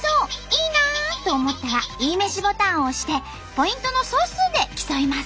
いいな！と思ったらいいめしボタンを押してポイントの総数で競います。